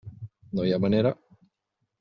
No hi ha manera.